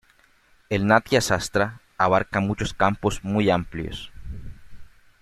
El "Natya-sastra" abarca muchos campos muy amplios.